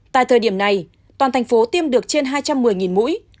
tại thời điểm này toàn thành phố tiêm được trên hai trăm một mươi mũi